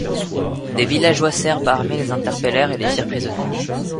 Des villageois serbes armés les interpellèrent et les firent prisonniers.